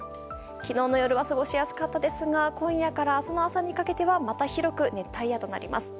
昨日の夜は過ごしやすかったですが今夜から明日の朝にかけてはまた広く熱帯夜となります。